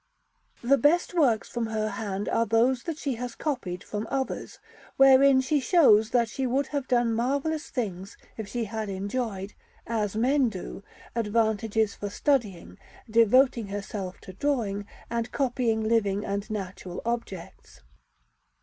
The best works from her hand are those that she has copied from others, wherein she shows that she would have done marvellous things if she had enjoyed, as men do, advantages for studying, devoting herself to drawing, and copying living and natural objects.